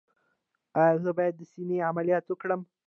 ایا زه باید د سینې عملیات وکړم؟